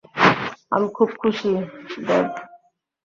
আমি খুব খুশি, ডেভ।